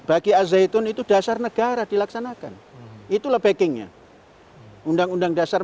al zaitun itu dasar negara dilaksanakan itulah backingnya undang undang dasar empat puluh lima